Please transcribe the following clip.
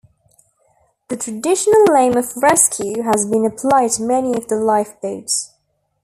The traditional name of "Rescue" has been applied to many of the life boats.